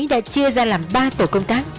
đã chia ra làm ba tổ công tác